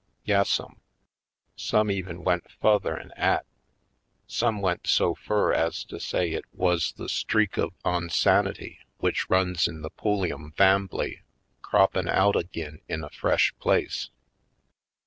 Yas sum, some even went fu'ther 'en 'at. Some went so fur ez to say it wuz the streak of onsanity w'ich runs in the Pulliam fambly croppin' out ag'in in a fresh place."